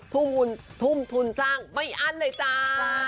ทุ่มเงินทุ่มทุนสร้างแป๊บอันเลยจ้า